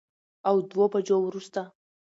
او دوو بجو وروسته